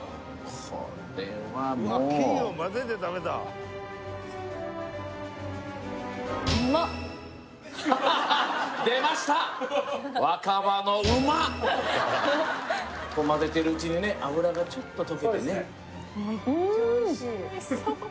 これはもうこうまぜてるうちにね脂がちょっと溶けてねうーんっ